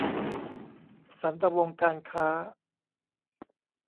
สันตะวงศ์การค้า